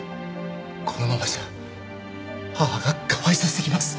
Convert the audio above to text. このままじゃ母がかわいそうすぎます。